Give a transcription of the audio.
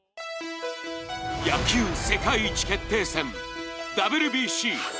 野球世界一決定戦、ＷＢＣ。